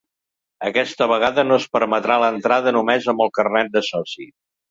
Aquesta vegada no es permetrà l’entrada només amb el carnet de soci.